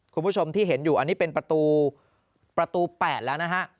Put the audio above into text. คุณผู้ชมที่เห็นอยู่อันนี้เป็นประตู๘แล้วนะฮะ